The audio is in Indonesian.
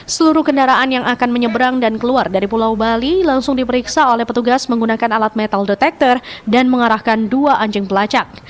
seluruh kendaraan yang akan menyeberang dan keluar dari pulau bali langsung diperiksa oleh petugas menggunakan alat metal detector dan mengarahkan dua anjing pelacak